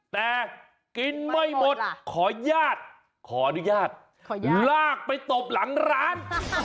แต่กินไม่หมดขออนุญาตลากไปตบหลังร้าน